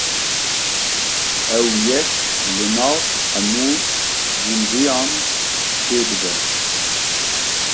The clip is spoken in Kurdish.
Ev yek li nav hemû zindiyan çêdibe.